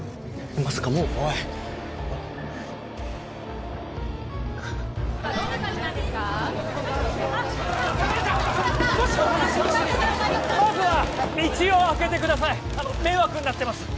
まずは道を開けてください迷惑になってます。